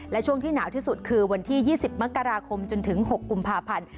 และช่วงที่หนาวที่สุดคือวันที่๒๐มกราคมจนถึง๖กุมภาพันธ์